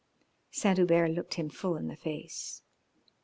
Saint Hubert looked him full in the face.